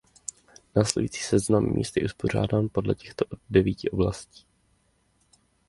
Následující seznam míst je uspořádán podle těchto devíti oblastí.